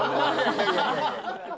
いやいやいや。